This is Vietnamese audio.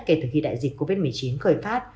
kể từ khi đại dịch covid một mươi chín khởi phát